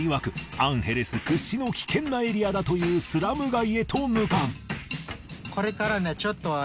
アンヘレス屈指の危険なエリアだというスラム街へと向かう。